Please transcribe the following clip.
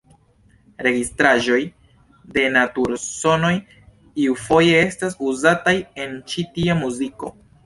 Registraĵoj de natur-sonoj iufoje estas uzataj en ĉi tia muziko.